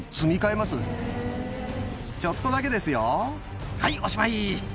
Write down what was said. ちょっとだけですよはいおしまい。